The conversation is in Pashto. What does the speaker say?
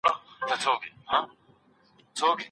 درملو پلاستیک د سړي په لاس کې ځنګېده.